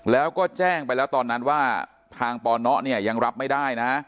แล้วก็แจ้งไปแล้วตอนนั้นว่าทางปนเนี่ยยังรับไม่ได้นะ